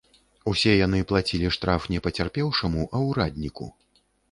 Усе яны плацілі штраф не пацярпеўшаму, а ўрадніку.